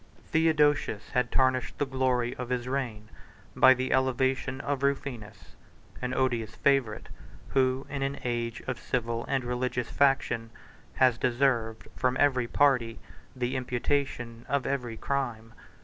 Theodosius had tarnished the glory of his reign by the elevation of Rufinus; an odious favorite, who, in an age of civil and religious faction, has deserved, from every party, the imputation of every crime.